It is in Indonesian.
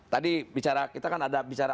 tadi bicara kita kan ada bicara